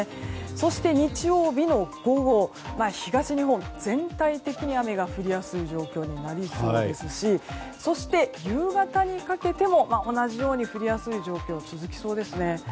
そして日曜日の午後東日本、全体的に雨が降りやすい状況になりそうですしそして、夕方にかけても同じように降りやすい状況続きそうですね。